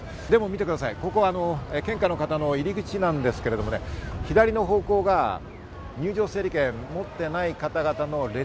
見てください、献花の方の入り口なんですけれどもね、左の方向が入場整理券を持っていない方の列。